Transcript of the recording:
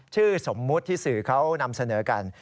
ชื่อสมมุติที่สื่อเขานำเสนอกัน